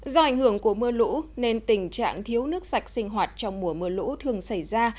do ảnh hưởng của mưa lũ nên tình trạng thiếu nước sạch sinh hoạt trong mùa mưa lũ thường xảy ra